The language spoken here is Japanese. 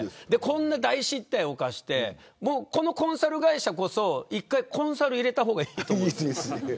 こんな大失態を犯してこんなコンサル会社こそ一回コンサル入れた方がいいと思うんです。